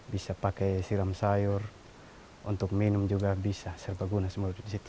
bisa pakai siram sayur untuk minum juga bisa serbaguna semua di situ